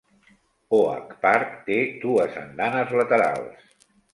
Oak Park té dues andanes laterals.